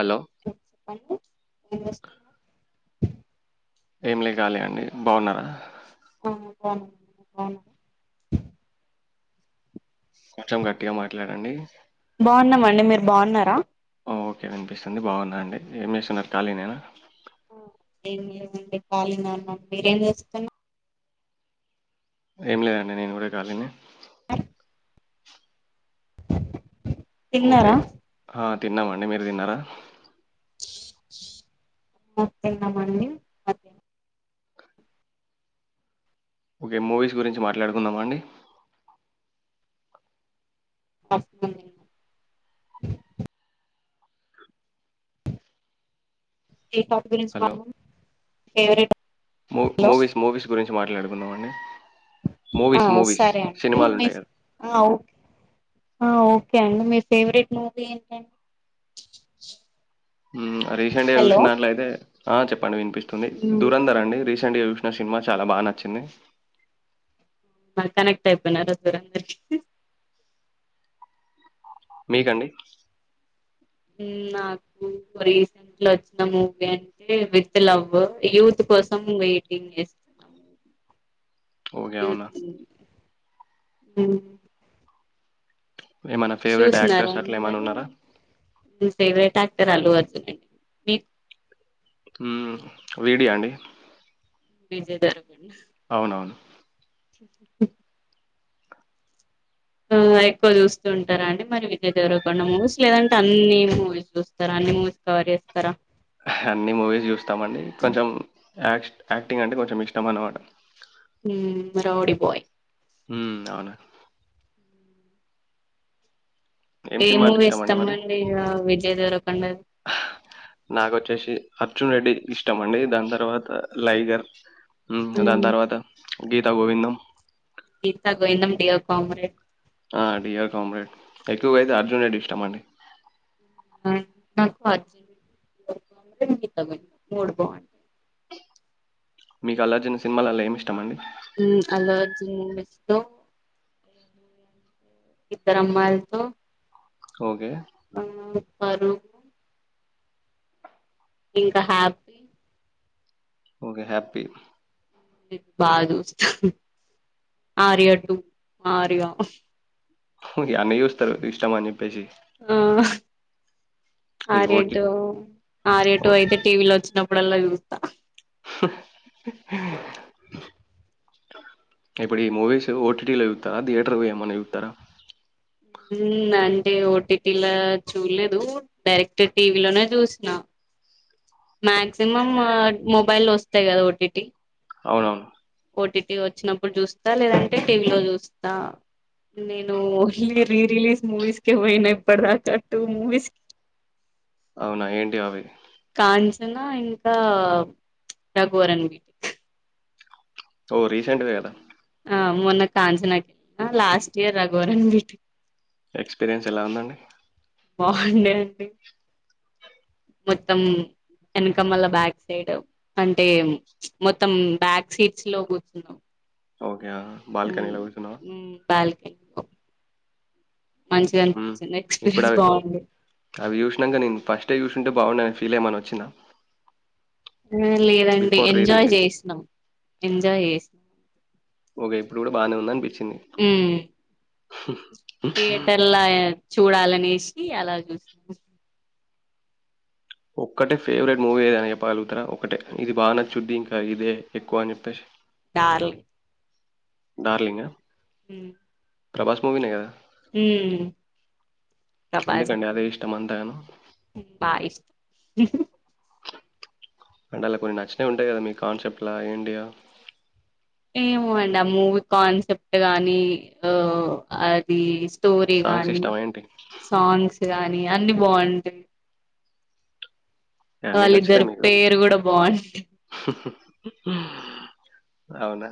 Hello! మీ చెప్పండి ఏం చేస్తున్నారు ఏం లే కాలి అండి బాగున్నరా ఆ బాగున్న మీరు బాగున్నారా కొంచెం గట్టిగా మాట్లాడండి బాగున్నాం అండి మీరు బాగున్నారా ఓకే వినిపిస్తుంది బాగున్నా అండి ఏం చేస్తున్నారు ఖాళీ నేనా ఏం లేదండి కాలినే ఉన్న మీరేం చేస్తున్న ఏం లేదండి నేను కూడా కాలీనే ఓకే తిన్నారా? ఆ తిన్నాం అండి మీరు తిన్నారా ఈ తిన్నా మండి మీర్ ఒకే మూవీస్ గురించి మాట్లాడుకుందామా అండి అ [inaudible] ఏ టాపిక్ గురించి హలో! ఫేవరెట్ మూ లో మూవీస్ మూవీస్ గురిం మాట్లాడుకుందా మండి ఆ సరే అండి మీ కదా! ఆ ఒకే ఆ ఒకే ఓకే అండి మీ ఫేవరెట్ మూవీ ఏంటండి హు రీసెంట్ గా హలో చూసినట్లయితే ఆ చెప్ప్ పండి వినిపిస్తుంది దురంధరండి రిస్ ట్ గా చూసిన సినిమా చాలా బా నచ్చింది కనెక్ట్ అయిపోయినార దూరందర్ కి మీకండి నాకు రీసెంట్ లో వచ్చిన మూవీ అంటే విత్ లవ్ యూత్ కోసం వెయిటింగ్ చేస్తున్నా ఓకే. అవునా? యూత్ ఉమ్ ఏమైనా ఫేవరెట్ చూసినరా‌ యాక్టర్స్ అం‌డి అట్లా ఏమైనా మరి ఉన్నారా? మీ‌ ఫేవరెట్ యాక్టర్ అల్లుఅర్జు మీ హమ్ వీడియా అండి విజేయ్ దారు అవునవును [inaudible] ఆ ఎక్కువ చూస్తూ ఉంటారా అండి మరి విజయ దేవర కొన్న మూవీస్ లేదంటే అన్ని మూవీస్ చూస్తారా అన్ని మూవీస్ కవర్ చేస్తారా అన్ని మూవీస్ చూస్తామండి కొంచెం యాక్ యాక్టింగ్ అంటే కొంచెం ఇష్టం అన్నమాట ఉ‌మ్ రౌడిబాయ్ ఉం అవునా ఏం ఏ సినిమా అంటే మూవీ ఇష్టమండి ఇష్టం మరి? అండి విజయ్ దేవరకొండ నాకొచ్చేసి అర్జున్ రెడ్డి ఇష్టం అండి దాని తర్వాత లైగర్ దాని తర్వాత గీతా గోవిందం గీతా గోవిందం డియర్ కాంమ్రేడ్ ఆ డియర్ కామ్రేడ్ ఎక్కువగా అయితే అర్జున్ అడ్ ఇష్టం అండి నాకు అర్జున్ రెడ్డి గీతా గోవిందం మూడు బాగుం మీకు అల్లు అర్జున్ సినిమాలలా ఏమి ఇష్టం అండి ఉమ్ అల్లు అర్జున్ మెస్ తో ఇద్దరమ్మాయిలతో ఓకే. ఆ పరుగు ఇంకా హ్యాపీ ఓకే హ్యాపీ బాగా చూస్తా ఆర్య టూ ఆర్య అన్ని చూస్తారు ఇష్టమని చె ఆ ఈ ఆర్యా ఓటి టు ఆర్యా ఓ టు అయితే టీవీలో వచ్చినప్పుడు అప్పుడల్ల చూస్త ఇప్పుడు ఈ మూవీస్ ఓటిటీలో చుతారా థియేటర్ పోయి ఏమని చూతారా అంటే ఓటీటీలా చూడలేదు డైరెక్ట్ టీవీలోనే చూసినా మాక్సిమం మొబైల్ వస్తాయి కదా ఓటీటీ అవునవును ఓటీటీ వచ్చినప్పుడు చూస్తా లేదంటే టీవీలో చూస్తా నేను ఓన్లీ రీ రిలీజ్ మూవీస్ క పోయినా ఇప్పుటి దాక టు మూవీస్ అవునా ఏంటి అవి నా ఇంకా రఘవరన్ బీ ఒ రీసెంట్ వే కద ఆ మొన్న కాంచనాకి ఆ లాస్ట్ ఇయర్ అ వరం బీ టి ఎక్స్పీరియన్స్ ఎలా ఉందండి బాగుండే అండి మొత్తం వెనకమళ బ్యాక్ సైడ్ అంటే మొత్తం బ్యాక్ సీట్స్ లో కూర్చున్నాం అవు ఉం ఉం బాల్కనీ మంచిగా అనిపించింది ఇప్పుడు ఎక్స్పీరియన్స్ అవి బాగుంది అవి చూసినాంక నేను ఫస్ట్ చూసింటే బాగుండని ఫీల్ ఏమని వచ్చినా ఆ లేదండి ఎంజాయ్ చేసినాం ఎంజాయ్ చేసినాం ఓకే ఇప్పుడు కూడా బానే ఉందని అనిపించింది ధియేటర్లా చూడాలనేసి అలా చూస ఒక్కటే ఫేవరెట్ మూవీ ఏద అని చెప్పగలుగుతారా ఒకటే ఇది బాగా నచ్చుద్ది ఇంకా ఇదే ఎక్కువ అని చెప్పేసి డార్లింగ్ డార్లింగ్ అ హమ్ ప్రభాస్ మూవీ నే కదా ఉమ్ ప్రభాస్ ఎందుకండి అదే ఇష్టం అంతగనం? బా ఇష్టం అంటే అలా కొన్ని నచ్చనేవి ఉంటాయి కదా మీ కాన్సెప్ట్ లా ఏంటియా ఏమో అండి ఆ మూవీ కాన్సెప్ట్ గానీ ఆ అది స్టోరీ సాంగ్స్ గానీ ఇష్టమా ఏంటి? సాంగ్స్ గాని అన్ని బాగుంటాయి అన్నీ నచ్చుతాయి వాళ్ళిద్దరు మీకు. పేరు కూడా బాగుంటంది ఊహుమ్ అవునా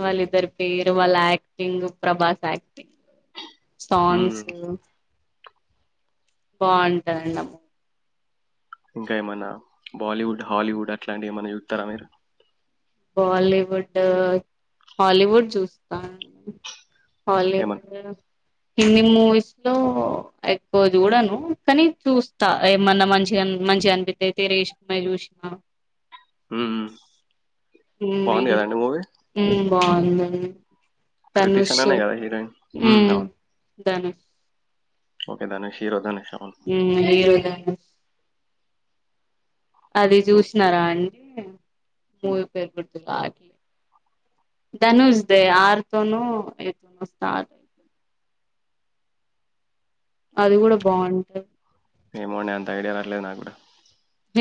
వాళ్ళిద్దరు పేరు వాళ్ళ యాక్టింగ్ ప్రభాస్ యాక్టింగ్ హ్మ్. సాంగ్స్ బాగుంటారన్న ఇంకా ఏమన్నా బాలీవుడ్ హాలీవుడ్ అట్లాంటివి ఏమన్నా చూతారా మీరు బాలీవుడ్ హాలీవుడ్ చూస్తాను ఏమన్నా? హాలీవుడ్ హిందీ మూవీస్ లో ఎక్కువ చూడను కానీ చూస్తా ఏమన్నా మంచిగా మంచిగా కనిపితే తిరగిసమా చూసిన హమ్ అమ్ బావుంది అండి కృతి సననే కదా హీరోయిన్ ఉమ్ అవును ధనుష్ ఓకే దనుష్ హిరో ధనుష్ అవును ఉమ్ ఇరుదా అది మీకు చూసినారా అ మూవీ పేరు గుర్తుకు రవడం లేదు ధనుష్ అను ఆర్తోను ఏతను స్టార్ట్ అయితుంది అది కూడా బాగుంటది ఏమోనే అంత ఐడియా అర్లేదు నాకు కూడా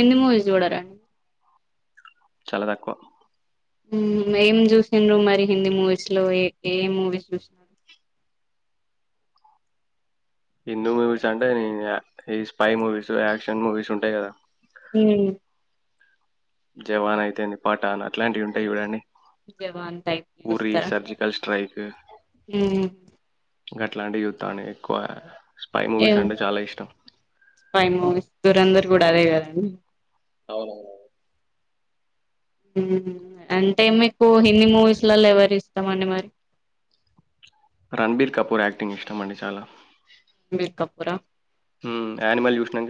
ఏ మూవి చూడాలండి చాలా తక్కువ ఏం చూసిన్రు మరి హిందీ మూవీస్లో ఏ ఏ మూవీస్ చూసిన హిందూ మూవీస్ అంటే న ఈ స్పై మూవీస్ యాక్షన్ మూవీస్ ఉంటాయి కదా ఉమ్ జవాన్ అయితేంది పఠాన్ అట్లాంటివి ఉంటాయి చూడండి జవాన్ టైప్ ఉరి చూస్తారా సర్జికల్ స్ట్రైక్ ఉమ్ ఇంక అట్లాంటివి చూత్తాను ఎక్కువ స్పై ఏ మూవీస్ అంటే చాలా ఇష్టం స్పై మూవీస్ దరంధర్ కూడా అదే కదండి అవునవును ఉమ్ అంటే మీకు హిందీ మూవీస్లల్ల ఎవరు ఇష్టమండి మరి రణబీర్ కపూర్ యాక్టింగ్ ఇష్టం అండి చాలా [inaudible] బీర్ కపూరా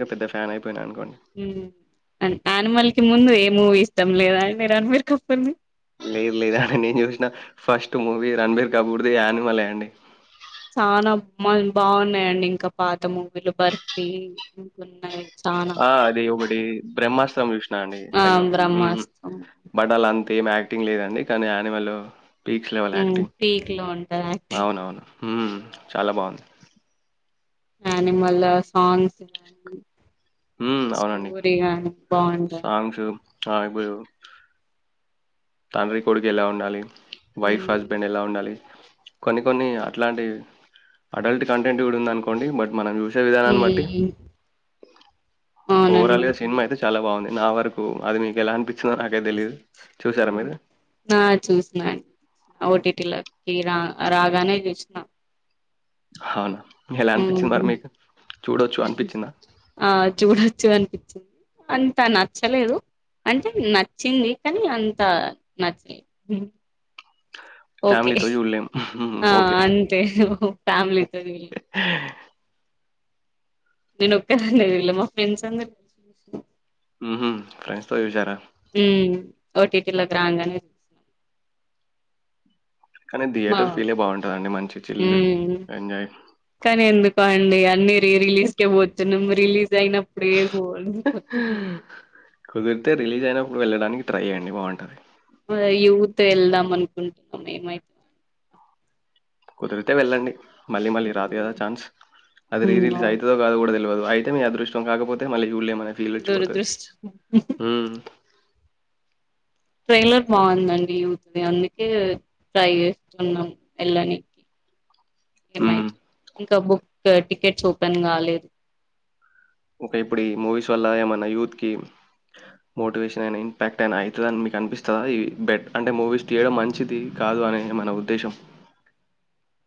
కె పెద్ద ఫ్యాన్ అయిపోయినా అనుకోండి ఉమ్ యానిమల్ కి ముందు ఏ మూవీ ఇష్టం లేదా అంది రన్ బీర్ కపూర్ది లేదు లేదండి నేను చూసినా ఫస్ట్ మూవీ రణబీర్ కపూర్ది యానిమలే అండి చానా బ బాగున్నాయండి ఇంక పాత మూవీలు బర్ఫీ ఇంకున్నాయి చానా ఆ అదే ఒకటి బ్రహ్మాస్త్రం చూసినా అండి ఆ అయ్యో బ్రహ్మాస్త్రం బడ్డల అంతా ఏం యాక్టింగ్ లేదండి కానీ యానిమల్ పీక్స్ లెవెల్ ఉమ్ ఆక్టింగ్ పీక్ లో ఉంటది యాక్టింగ్ అవునవును ఉమ్ చాలా బాగుంది కాని మళ్ళా సాంగ్స్ కానీ హ్మ్. అవునండి. స్టోరీ గానీ బాగుంటయండి హాయ [unintelligible] [inaudible] తండ్రి కొడుకు ఎలా ఉండాలి వైఫ్ ఉమ్ హస్బెండ్ ఎలా ఉండాలి కొన్ని కొన్ని అట్లాంటి అడల్ట్ కంటెంట్ కూడా ఉంది అనుకోండి బట్ మనం చూ విధానం బట్టి ఉమ్ అవునండి ఓవరాల్ గా సినిమా అయితే చాలా బాగుంది నా వరకు అది మీకు ఎలా అనిపించిందో నాకే తెలీదు చూసారా ఉమ్ మీరు? ఆ చూస్నాను ఓటిటిలోకి రా రాగానే చూసినాం హనా ఉమ్ అనిపిచ్చిందా? ఆ చూడచ్చు అనిపి అంత నచ్చలేదు అంటే నచ్చింది కానీ అంత నచ్చలేదు ఓకే ఫ్యామిలీతో జూడలేం. ఆ ఓకే. అంతే ఫ్యామిలీతో తె నేను ఒక్కదాన్నే చూల్లే మా ఫ్రెండ్స్ అందరు ఉహూ ఫ్రెండ్స్తో చూసారా హ్మ్ ఓటీటీలోక్ రాంగనే కానీ థియేటర్ ఫీలే బాగుంటందండి. మంచి చిల్లు ఉమ్ ఎంజాయ్ న్న రీ రిలీజ్ క పోతున్నాం రిలీజ్ అయినప్పుడే మ్ కుదిర్తే రిలీజ్ అయినా ప్పుడు వెళ్ళడానికి ట్రై చేయండి బాగుంటది. అ యూత్ వెళ్దాం అనుకుంటున్నాం ఏమైత కుదిరితే వెళ్ళండి మళ్లీ మళ్లీ రాదు గదా ఛాన్స్ అది రీరిలీజ్ అయితదో కాదో కూడా తెల్వదు. ఐ తే మీ అదృష్టం కాకపోతే మళ్ళీ జూల్లెం క దురదృష్టం ట్రైలర్ బాగుందండి యూత్ ది అందుకే ట్రై చేస్తున్నాం వెళ్ళనికి ఏమై హ్మ్. ఇంకా బుక్ టికెట్స్ ఓపెన్ కాలేదు ఒక ఇప్పుడు ఈ మూవీస్ వల్ల ఏమైనా యూత్ కి మోటివేషన్ అయినా ఇంపాక్ట్ అయినా అవుతదని అని మీకు అనిపిస్తుందా ఇవి బెట్ అంటే మూవీస్ తీయడం మంచిది కాదు ఏమన్న ఉద్దేశం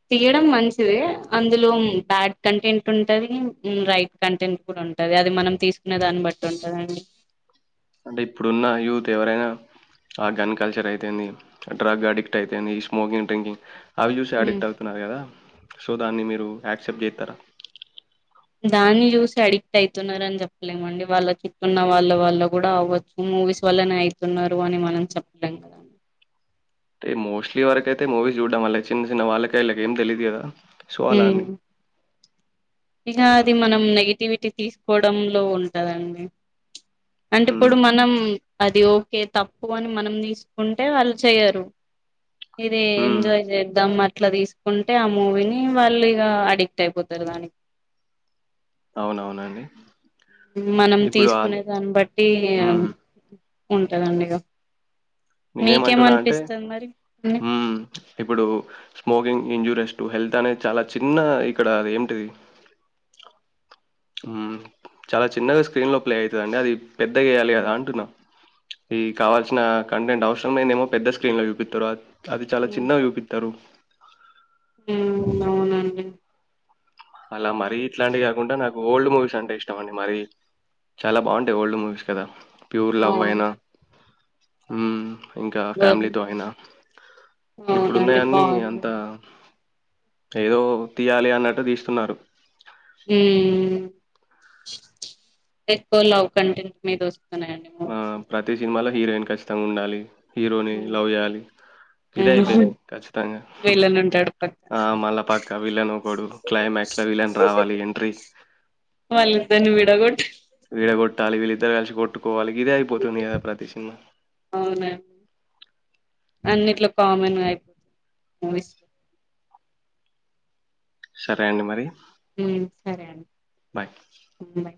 తీయడం మంచిది అందులో బ్యాడ్ కంటెంట్ ఉంటది. రైట్ కంటెంట్ కూడా ఉంటది. అది మనం తీసుకునే దాన్ని బట్టి ఉంటుందండి. అంటే ఇప్పుడున్న యూత్ ఎవరైనా ఆ గన్ కల్చర్ అయితేంది డ్రగ్ అడిక్ట్ అయితేంది ఈ స్మోకింగ్ డ్రింకింగ్ అవి చూసి హ్మ్. అడిక్ట్ అవుతున్నారు కదా సో దాన్ని మీర్ రు యాక్సెప్ట్ జేత్తరా దాన్ని చూసి అడిక్ట్ అయితున్నారని చెప్పలేమండి. వాళ్ళ చుట్టన్న వాళ్ళ వల్ల కూడా అవ్వచ్చు మూవీస్ వల్లనే అవుతున్నారు అని మనం చెప్పలేం కదండి. ంటే మోస్ట్లీ వరకైతే మూవీస్ చూడడం అల చిన్న చిన్న వాళ్ళకి అ ఇళ్ళకి ఏం తెలియదు కదా సో అలా ఉమ్ అన్ని ఇక అది మనం నెగిటివిటీ తీసుకోవడం లో ఉంటదండి. అంటే ఉమ్, ఇప్పుడు మనం అది ఓకే తప్పు అని మనం తీసుకుంటే వాళ్ళు చెయ్యరు. ఇది ఉమ్, ఎంజాయ్ చేద్దాం మ అట్లా తీసుకుంటే ఆ మూవీని వాళ్ళు ఇక అడిక్ట్ అయిపోతరు దానికి అవునవును మనం ఆ- తీసుకునే దాన్ని బట్టి ఉమ్, ఉంటందండి ఇక నేనేమంటున్నా హ్మ్ అంటే మీకేమనిపిస్తుంది మరి ఇప్పుడు స్మోకింగ్ ఇంజూరెస్టు హెల్త్ అనేది చాలా చిన్న ఇక్కడ అది ఏంటిది హ్మ్ చాలా చిన్నగా స్క్రీన్ లో ప్లే అయితదండి అది పెద్దగా వేయాలి కదా అంటున్నా ఈ కావాల్సిన కంటెంట్ అవసరం లేందమో పెద్ద స్క్రీన్ లో చూపిత్తరు అది చాలా చిన్నగ చూపిత్తము ఉమ్ అవునండి అలా మరీ ఇట్లాంటివి కాకుండా నాకు ఓల్డ్ మూవీస్ అంటే ఇష్టం అండి మరీ చాలా బాగుంటాయి ఓల్డ్ మూవీస్ కదా ప్యూర్ లవ్ అవును యినా హ్మ్ ఇంకా అవును ఫ్యామిలీతో అయినా అవునండి ఇప్పుడున్నాయన్నీ బాగుంది అంత ఏదో తీయాలి అన్నట్టు తీ స్తున్నారు ఏ లవ్ కంటెట్ మీ ప్రతి సినిమాలో హీరోయిన్ ఖచ్చితంగా ఉండాలి హీరోని ఉమ్ లవ్ జేయాలి ఇదే అయిపోయింది ఉమ్ ఖచ్చితంగా విలన్ ఉంటాడు పక్క ఆ మళ్ళా పక్క విలన్కడు క్లైమాక్స్ లో విలన్ రావాలి ఎంట్రీ వాళ్ళిద్దరిని విడగొట్టి ఇడగొట్టాల వీళ్ళ ఇద్దరు కలిసి కొట్టుకోాలి గిదేయిపోతుందిగ ప్రతి సిన్మలో అవునండి అన్నిట్లో కామన్ గా అయిపోతుంది మూవీస్ లో సరే అండి మరి సరే అండి బాయ్ బై